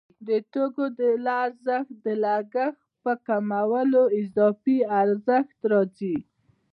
د توکو له ارزښت د لګښت په کمولو اضافي ارزښت راځي